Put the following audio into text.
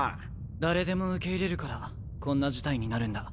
誰でも受け入れるからこんな事態になるんだ。